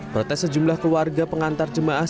protes sejumlah keluarga pengantar jemaah